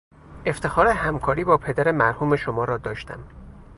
افتخار همکاری با پدر مرحوم شما را داشتم.